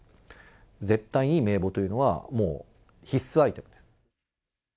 絶対、名簿というのはもう必須アイテムです。